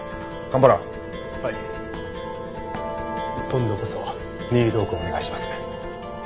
今度こそ任意同行お願いします。